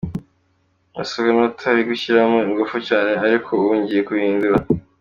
Nasaga n’utari gushyiramo ingufu cyane ariko ubu ngiye kubihindura.